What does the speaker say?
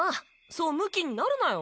そうムキになるなよ。